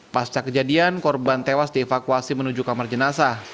pasca kejadian korban tewas dievakuasi menuju kamar jenazah